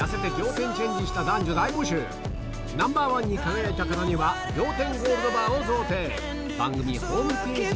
Ｎｏ．１に輝いた方には仰天ゴールドバーを贈呈